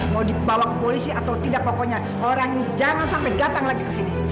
mau dibawa ke polisi atau tidak pokoknya orang ini jangan sampai datang lagi ke sini